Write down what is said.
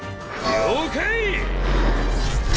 了解！